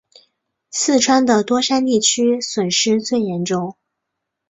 四川的多山地区损失最严重。